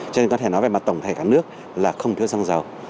chúng ta có thể nói về mặt tổng thể cả nước là không thiếu xăng dầu